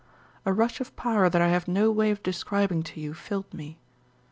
A rush of power that I have no way of describing to you filled me.